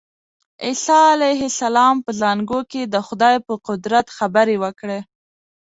عیسی علیه السلام په زانګو کې د خدای په قدرت خبرې وکړې.